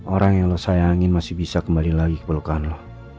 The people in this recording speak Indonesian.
orang yang lo sayangin masih bisa kembali lagi ke pelukan lo